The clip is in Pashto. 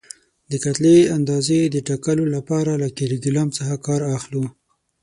د کتلې اندازې د ټاکلو لپاره له کیلو ګرام څخه کار اخلو.